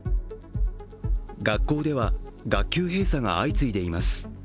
学校では学級閉鎖が相次いでいます。